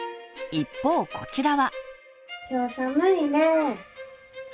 一方こちらは。